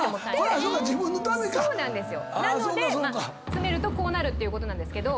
詰めるとこうなるっていうことなんですけど。